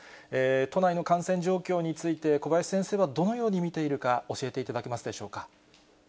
都内の感染状況について、小林先生はどのように見ているか、教えていただけますでしょうか。